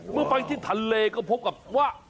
เมื่อไปที่ทะเลก็พบกับว่า